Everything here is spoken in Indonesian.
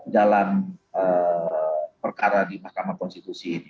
dalam perkara di mahkamah konstitusi ini